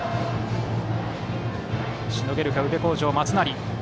しのげるか宇部鴻城、松成。